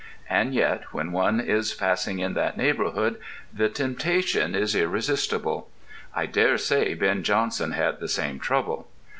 And yet, when one is passing in that neighbourhood, the temptation is irresistible.... I dare say Ben Jonson had the same trouble.